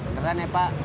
beneran ya pak